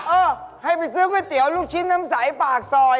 เออให้ไปซื้อก๋วยเตี๋ยวลูกชิ้นน้ำใสปากซอย